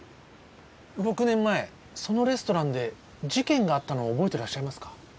６年前そのレストランで事件があったのを覚えてらっしゃいますか？